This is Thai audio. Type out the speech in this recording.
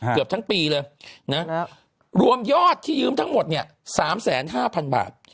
เกือบทั้งปีเลยนะรวมยอดที่ยืมทั้งหมดเนี่ย๓๕๐๐๐บาท